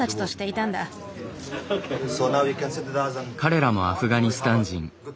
彼らもアフガニスタン人。